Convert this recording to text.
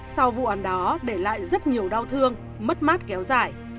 sau vụ án đó để lại rất nhiều đau thương mất mát kéo dài